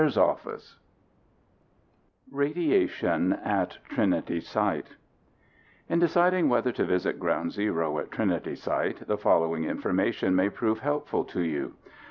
Thomas Farrell Radiation at Trinity Site In deciding whether to visit ground zero at Trinity Site, the following information may prove helpful to you.